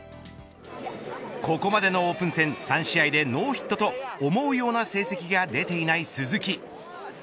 ここまでのオープン戦３試合でノーヒットと思うような成績が出ていない鈴木。